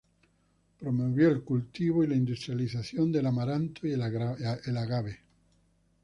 Promovió el cultivo y la industrialización del amaranto y el agave.